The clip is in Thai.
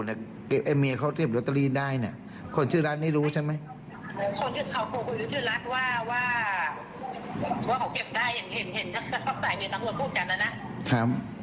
วันคืนวันที่๓๑น่ะสถานศักดิ์มันจะด้านได้ไหมล่ะ